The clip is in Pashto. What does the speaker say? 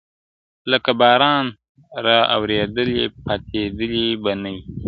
لکه باران را اورېدلې پاتېدلې به نه ,